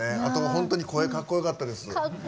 本当に声、かっこよかったです。